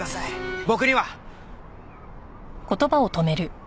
僕には。